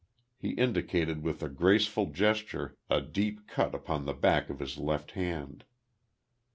He indicated with a graceful gesture a deep cut upon the back of his left hand.